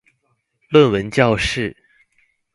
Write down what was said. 論文教室